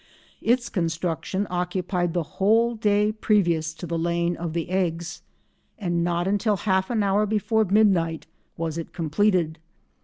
Its construction occupied the whole day previous to the laying of the eggs, and not until half an hour before midnight was it completed.